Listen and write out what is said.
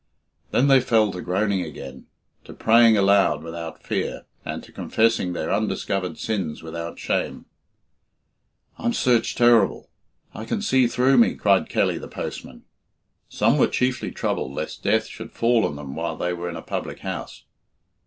Then they fell to groaning again, to praying aloud without fear, and to confessing their undiscovered sins without shame. "I'm searched terrible I can see through me," cried Kelly, the postman. Some were chiefly troubled lest death should fall on them while they were in a public house.